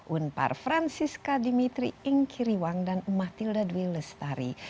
unpar francisca dimitri ingkiriwang dan mathilda dwi lestari